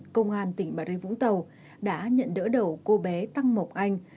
công an tỉnh bà rịa vũng tàu đã nhận đỡ đầu cô bé tăng mộc anh